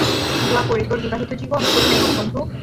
দোয়া করি, তোর বিবাহিত জীবন সুখের হউক, বন্ধু!